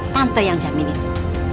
tante yang jamin itu